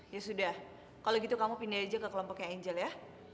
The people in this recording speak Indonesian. ya sudah kalau gitu kamu pindah aja ke kelompoknya angel ya